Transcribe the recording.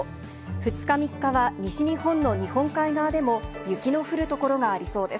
２日、３日は西日本の日本海側でも雪の降る所がありそうです。